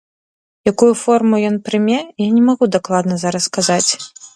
Якую форму ён прыме, я не магу дакладна зараз сказаць.